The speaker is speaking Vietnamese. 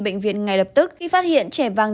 bệnh viện ngay lập tức khi phát hiện trẻ vàng